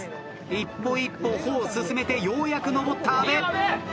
一歩一歩歩を進めてようやく登った阿部。